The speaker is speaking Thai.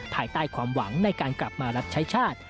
ภายใต้ความหวังในการกลับมารับใช้ชาติ